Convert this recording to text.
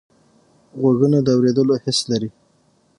غوږونه د اوریدلو حس لري